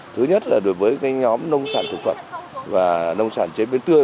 thứ nhất là đối với nhóm nông sản thực phẩm và nông sản chế biến tươi